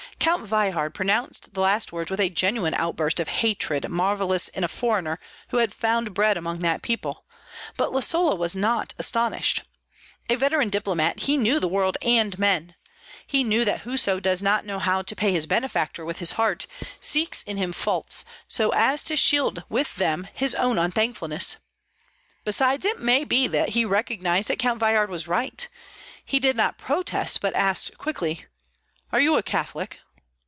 Count Veyhard pronounced the last words with a genuine outburst of hatred marvellous in a foreigner who had found bread among that people; but Lisola was not astonished. A veteran diplomat, he knew the world and men. He knew that whoso does not know how to pay his benefactor with his heart, seeks in him faults, so as to shield with them his own unthankfulness. Besides, it may be that he recognized that Count Veyhard was right. He did not protest, but asked quickly, "Are you a Catholic?"